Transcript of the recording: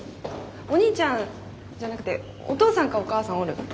お兄ちゃんじゃなくてお父さんかお母さんおる？